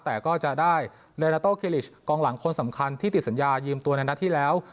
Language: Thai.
แต่ก็จะได้เลนาโตเคลิชกองหลังคนสำคัญที่ติดสัญญายืมตัวในนัดที่แล้ว